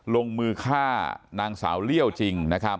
ลงมือฆ่านางสาวเรี่ยวจริง